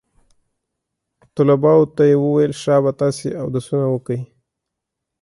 طلباو ته يې وويل شابه تاسې اودسونه وکئ.